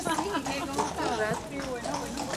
Куш куржат?